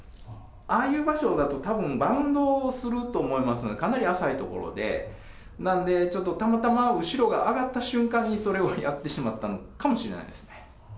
ああいう場所だと、たぶんバウンドすると思いますので、かなり浅い所で、なんで、ちょっとたまたま後ろが上がった瞬間に、それをやってしまったのかもしれないですね。